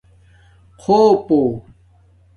خُݸپُو